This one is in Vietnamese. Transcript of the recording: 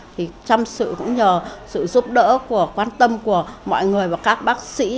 thì chăm sự cũng nhờ sự giúp đỡ của quan tâm của mọi người và các bác sĩ